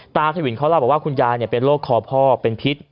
สวินเขาเล่าบอกว่าคุณยายเป็นโรคคอพ่อเป็นพิษ